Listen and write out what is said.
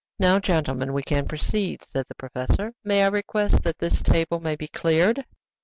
"Now, gentlemen, we can proceed," said the professor. "May I request that this table may be cleared?"